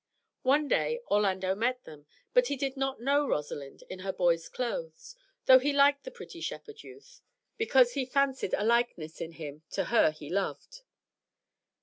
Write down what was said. One day Orlando met them, but he did not know Rosalind in her boy's clothes, though he liked the pretty shepherd youth, because he fancied a likeness in him to her he loved.